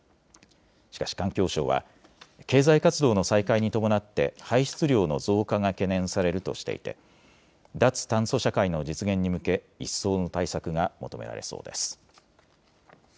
しかし環境省は経済活動の再開に伴って排出量の増加が懸念されるとしていて脱炭素社会の実現に向け一層の対策が求められそうです。